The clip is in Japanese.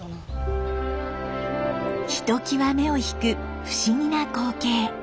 ひときわ目を引く不思議な光景。